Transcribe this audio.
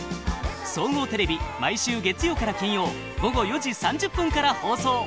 総合テレビ毎週月曜から金曜午後４時３０分から放送。